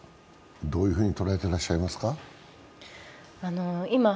どういうふうに捉えてらっしゃいますか？